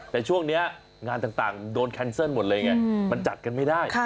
แต่ช่วงนี้งานต่างโดนแคนเซิลหมดเลยไงมันจัดกันไม่ได้